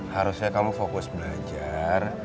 harusnya kamu fokus belajar